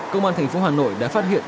công an thành phố hà nội đã phát hiện